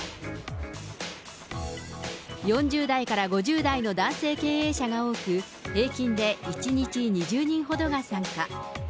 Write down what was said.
４０代から５０代の男性経営者が多く、平均で１日２０人ほどが参加。